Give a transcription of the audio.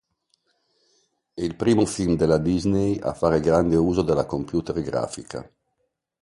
È il primo film della Disney a fare grande uso della computer grafica.